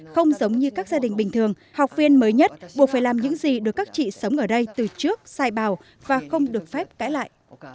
không giống như các gia đình bình thường học viên mới nhất buộc phải làm những gì được các chị sống ở đây từ trước sai bào và không được phép cãi lại